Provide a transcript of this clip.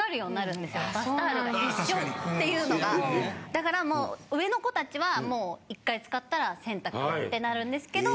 だからもう上の子たちはもう１回使ったら洗濯ってなるんですけど。